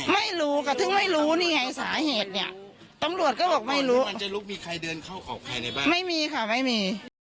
ไม่รู้ก็ถึงไม่รู้นี่ไงสาเหตุเนี่ยตำรวจก็บอกไม่รู้ไม่มีค่ะไม่มี